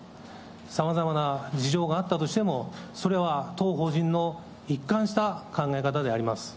さまざまな事情があったとしても、それは当法人の一貫した考え方であります。